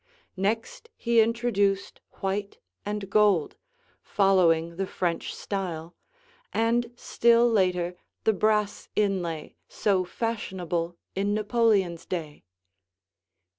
Next he introduced white and gold, following the French style, and still later the brass inlay so fashionable in Napoleon's day.